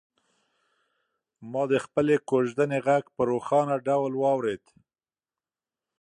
ما د خپلې کوژدنې غږ په روښانه ډول واورېد.